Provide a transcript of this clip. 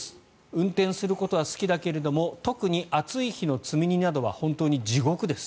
運転することは好きだけど特に暑い日の積み荷などは本当に地獄です。